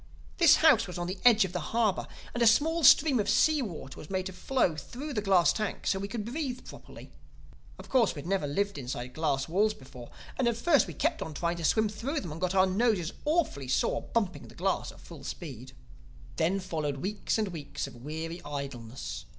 This house was on the edge of the harbor; and a small stream of sea water was made to flow through the glass tank so we could breathe properly. Of course we had never lived inside glass walls before; and at first we kept on trying to swim through them and got our noses awfully sore bumping the glass at full speed. "Then followed weeks and weeks of weary idleness.